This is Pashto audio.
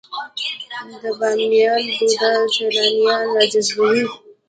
د بامیان بودا سیلانیان راجذبوي؟